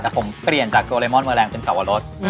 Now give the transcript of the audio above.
ใช่แต่ผมเปลี่ยนจากเท่าเลมอนเมอแรงเป็นสวรส